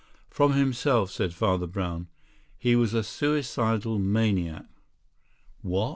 "From himself," said Father Brown. "He was a suicidal maniac." "What?"